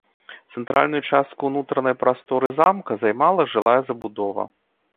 Цэнтральную частку ўнутранай прасторы замка займала жылая забудова.